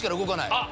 あっ！